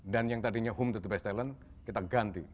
dan yang tadinya home to the best talent kita ganti